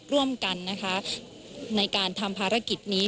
ร่วมกันนะคะในการทำภารกิจนี้